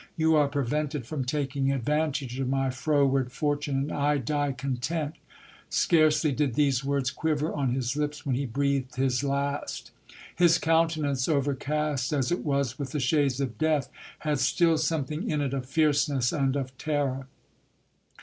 You are prevented from taking ad vantage of my froward fortune ; and I die content. Scarcely did these words quiver on his lips, when he breathed his last. His countenance, overcast as it was with the shades of death, had still something in it of fierceness and of terror.